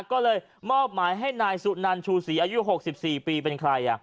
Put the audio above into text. ก็เลยมอบหมายให้นายสุนันชูศรีอายุ๖๔ปีเป็นใคร